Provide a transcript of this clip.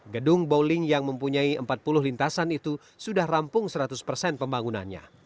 gedung bowling yang mempunyai empat puluh lintasan itu sudah rampung seratus persen pembangunannya